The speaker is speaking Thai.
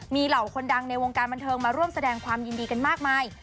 มีเหล่าคนดังในวงการบันเทิงมาร่วมแสดงความยินดีกันมากมาย